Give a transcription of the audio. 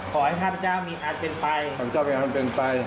ขอให้ข้าพระเจ้ามีอันเป็นไปข้าพระเจ้ามีอันเป็นไป